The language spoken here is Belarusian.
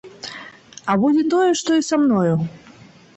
А будзе тое, што і са мною!